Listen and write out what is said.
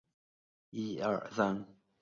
他实施了进一步改造城市的政策。